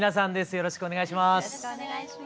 よろしくお願いします。